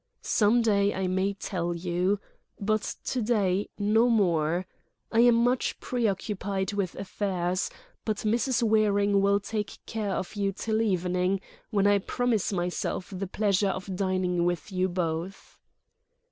"Some day I may tell you. But to day—no more. I am much preoccupied with affairs; but Mrs. Waring will take care of you till evening, when I promise myself the pleasure of dining with you both."